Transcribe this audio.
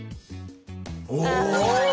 お！